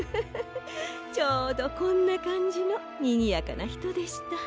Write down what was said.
ちょうどこんなかんじのにぎやかなひとでした。